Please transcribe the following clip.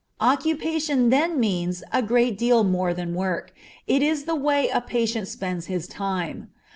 Occupation then means a great deal more than work; it is the way a patient spends his time.